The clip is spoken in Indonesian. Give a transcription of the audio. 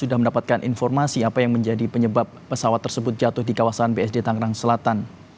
sudah mendapatkan informasi apa yang menjadi penyebab pesawat tersebut jatuh di kawasan bsd tangerang selatan